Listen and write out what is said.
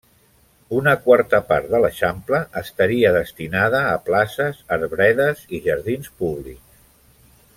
Una quarta part de l'Eixample estaria destinada a places, arbredes i jardins públics.